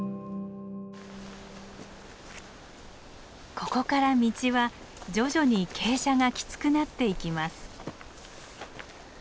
ここから道は徐々に傾斜がきつくなっていきます。